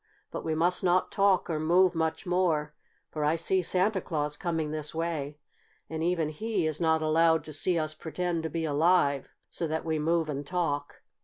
But we must not talk or move much more, for I see Santa Claus coming this way, and even he is not allowed to see us pretend to be alive, so that we move and talk.